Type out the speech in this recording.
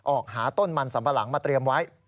ออกหาต้นมันสัมปะหลังมาเตรียมไว้